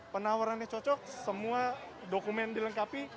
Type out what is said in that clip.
penawarannya cocok semua dokumen dilengkapi